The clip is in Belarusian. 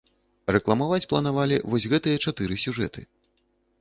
Рэкламаваць планавалі вось гэтыя чатыры сюжэты.